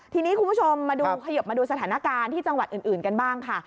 ทีนี้คุณผู้ชมมาดูขยบมาดูสถานการณ์ที่จังหวัดอื่นกันบ้างค่ะ